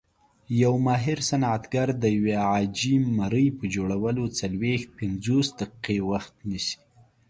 یو ماهر صنعتګر د یوې عاجي مرۍ په جوړولو څلويښت - پنځوس دقیقې وخت نیسي.